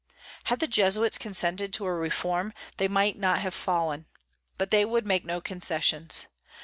Had the Jesuits consented to a reform, they might not have fallen. But they would make no concessions.